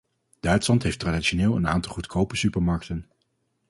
Duitsland heeft traditioneel een aantal goedkope supermarkten.